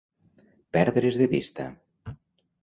Perdre's de vista.